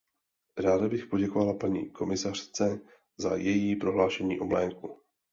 Ráda bych poděkovala paní komisařce za její prohlášení o mléku.